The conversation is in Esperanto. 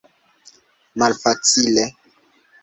malfacile